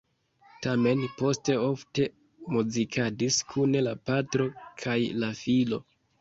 Tamen poste ofte muzikadis kune la patro kaj la filo.